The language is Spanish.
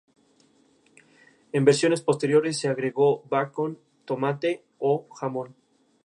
Asimismo, Babcock lidera el proyecto Prometeo.